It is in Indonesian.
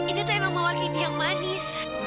ini tuh emang mawar ini yang manis